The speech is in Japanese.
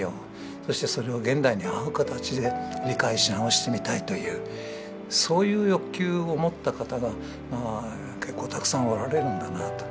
そしてそれを現代に合う形で理解し直してみたいというそういう欲求を持った方がまあ結構たくさんおられるんだなと。